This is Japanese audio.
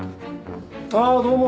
ああどうも。